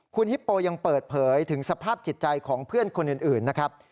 คุณฮิปโปยังเปิดเผยถึงสภาพจิตใจของเพื่อนคนอื่นนะครับ